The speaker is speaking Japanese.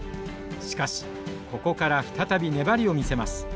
しかしここから再び粘りを見せます。